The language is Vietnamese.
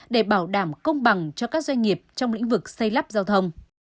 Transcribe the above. để bảo đảm công bằng cho các doanh nghiệp trong lĩnh vực xây lắp giao thông